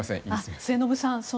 末延さん